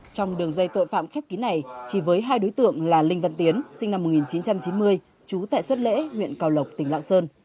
trong đường dây tội phạm khép kín này chỉ với hai đối tượng là linh văn tiến sinh năm một nghìn chín trăm chín mươi trú tại xuất lễ huyện cao lộc tỉnh lạng sơn